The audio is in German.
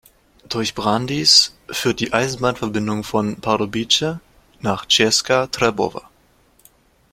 Durch Brandýs führt die Eisenbahnverbindung von Pardubice nach Česká Třebová.